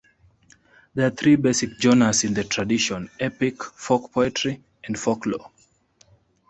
There are three basic genres in the tradition: epic; folk poetry; and folklore.